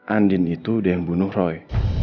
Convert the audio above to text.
andien itu dia yang bunuh roy